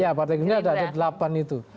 ya partai gerindra ada delapan itu